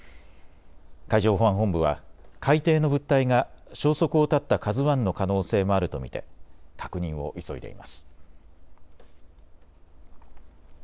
海上保安本部は海底の物体が消息を絶ったＫＡＺＵＩの可能性もあると見て確認を急いでいます。